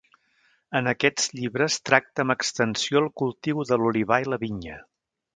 En aquests llibres tracta amb extensió el cultiu de l'olivar i la vinya.